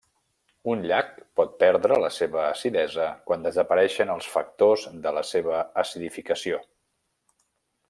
Un llac pot perdre la seva acidesa quan desapareixen els factors de la seva acidificació.